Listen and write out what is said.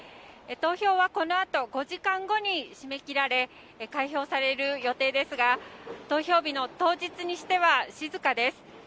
投票は、このあと５時間後に締め切られ開票される予定ですが投票日の当日にしては静かです。